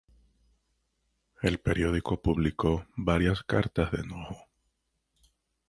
El periódico publicó varias cartas de enojo.